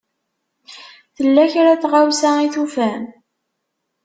Tella kra n tɣawsa i tufam?